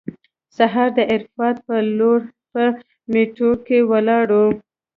سهار د عرفات په لور په میټرو کې ولاړو.